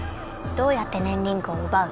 どうやってねんリングをうばう？